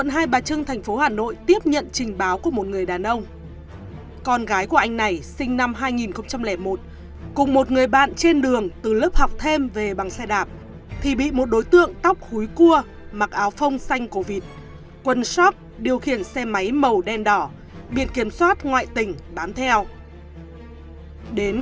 hãy đăng ký kênh để ủng hộ kênh của mình nhé